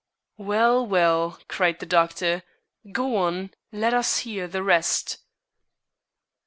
"Well, well," cried the doctor, "go on; let us hear the rest."